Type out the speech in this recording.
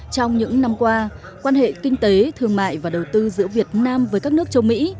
trong những năm qua quan hệ kinh tế thương mại và đầu tư giữa việt nam với các nước châu mỹ